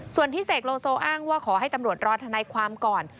ส่วนที่เสกโลโซอ้างว่าขอให้ตำรวจรอทนายความก่อน